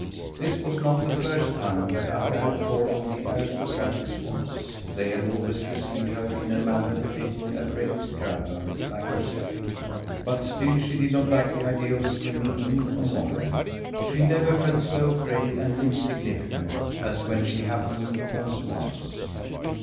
This was not the first time that Akka had called on the aristocratic swans. They had always received her in a manner befitting a great traveller like herself. But still she did not like the idea of swimming in among them. She never felt so gray and insignificant as when she happened upon swans.